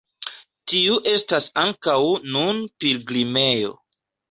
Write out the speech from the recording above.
Tiu estas ankaŭ nun pilgrimejo.